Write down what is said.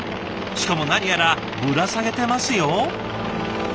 しかも何やらぶら下げてますよ。